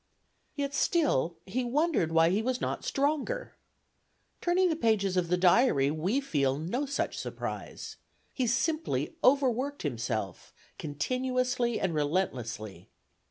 Yet still he wondered why he was not stronger. Turning the pages of the diary, we feel no such surprise. He simply overworked himself, continuously and relentlessly.